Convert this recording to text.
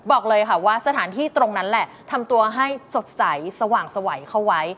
บอกเลยค่ะว่าสถานที่ตรงนั้นแหละทำตัวให้สดใสสว่างสวัยเข้าไว้